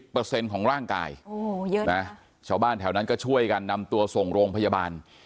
เปอร์เซ็นต์ของร่างกายเยอะนะชาวบ้านแถวนั้นก็ช่วยกันนำตัวส่งโรงพยาบาล